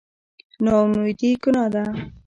نااميدي ګناه ده